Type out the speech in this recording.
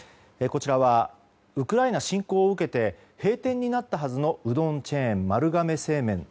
こちらはウクライナ侵攻を受けて閉店になったはずのうどんチェーン、丸亀製麺。